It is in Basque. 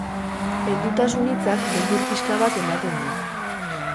Heldutasun hitzak beldur pixka bat ematen dit.